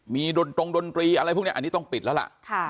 ดนตรงดนตรีอะไรพวกนี้อันนี้ต้องปิดแล้วล่ะ